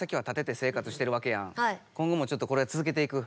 今後もちょっとこれつづけていく？